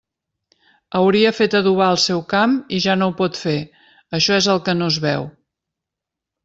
Hauria fet adobar el seu camp i ja no ho pot fer, això és el que no es veu.